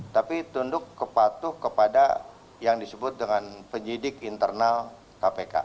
tapi tunduk kepatuh kepada yang disebut dengan penyidik internal kpk